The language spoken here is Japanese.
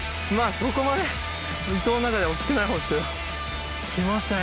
そこまでイトウの中では大っきくないほうですけど来ましたね